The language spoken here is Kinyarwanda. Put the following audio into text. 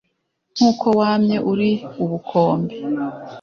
nk' uko wamye uri ubukombe